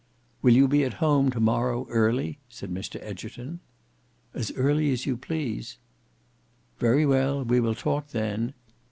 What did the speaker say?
"Will you be at home to morrow early?" said Mr Egerton. "As early as you please." "Very well, we will talk then.